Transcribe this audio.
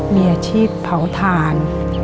มีอาชีพเผาถ่าน